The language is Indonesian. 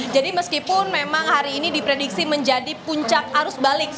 jadi meskipun memang hari ini diprediksi menjadi puncak arus balik